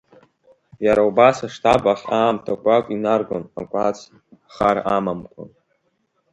Иара убас аштаб ахь аамҭақәак инаргон акәац хар амамкәан.